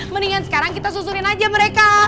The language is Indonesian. mendingan sekarang kita susurin aja mereka